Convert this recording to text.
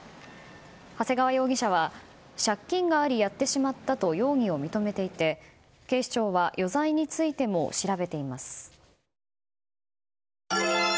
長谷川容疑者は借金がありやってしまったと容疑を認めていて警視庁は余罪についても調べています。